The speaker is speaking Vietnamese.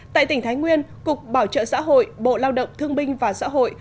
tại tỉnh thái nguyên cục bảo trợ xã hội bộ lao động thương binh và xã hội